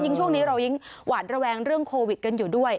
ช่วงนี้เรายิ่งหวาดระแวงเรื่องโควิดกันอยู่ด้วย